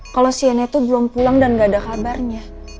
kalau shaina tuh belum pulang dan gak ada kabarnya